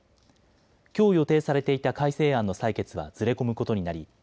きょう予定されていた改正案の採決はずれ込むことになり